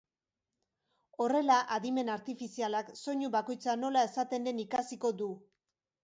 Horrela adimen artifizialak soinu bakoitza nola esaten den ikasiko du.